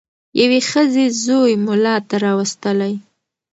یوې ښځي زوی مُلا ته راوستلی